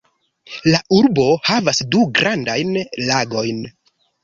La urbo havas du grandajn lagojn.